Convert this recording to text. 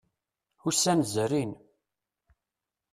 Ussan zerrin.